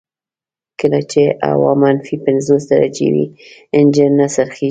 کله چې هوا منفي پنځوس درجې وي انجن نه څرخیږي